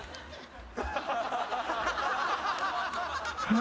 何？